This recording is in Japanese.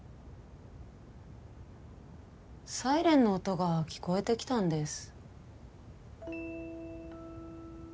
サイレンの音が聞こえてきたんです。